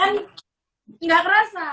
kan gak kerasa